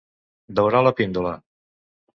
Daurar la píndola.